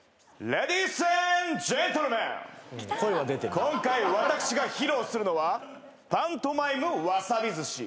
今回私が披露するのはパントマイムわさび寿司。